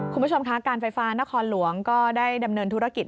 คุณผู้ชมคะการไฟฟ้านครหลวงก็ได้ดำเนินธุรกิจ